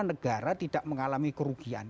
negara tidak mengalami kerugian